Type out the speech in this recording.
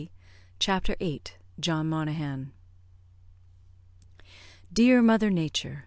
] CHAPTER VIII JOHN MONAGHAN "Dear mother Nature!